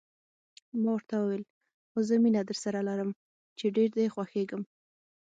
ما ورته وویل: خو زه مینه درسره لرم، چې ډېر دې خوښېږم.